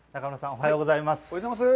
おはようございます。